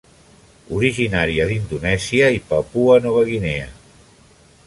Originària d'Indonèsia i Papua Nova Guinea.